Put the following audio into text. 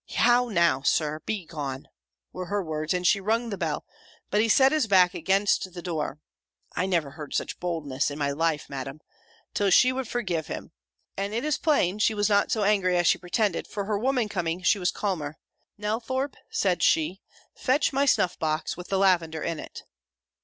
How, now, Sir! Begone!" were her words, and she rung the bell; but he set his back against the door (I never heard such boldness in my life, Madam!) till she would forgive him. And, it is plain, she was not so angry as she pretended: for her woman coming, she was calmer; "Nelthorpe," said she, "fetch my snuff box, with the lavender in it."